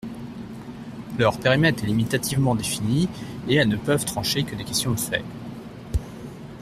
Leur périmètre est limitativement défini et elles ne peuvent trancher que des questions de fait.